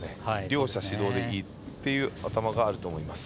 両者指導でいいという頭があると思います。